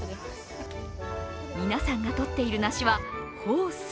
皆さんがとっている梨は豊水。